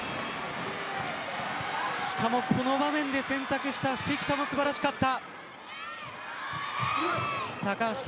しかもこの場面で選択した関田も素晴らしかった。